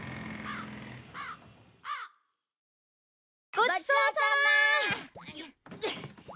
ごちそうさま。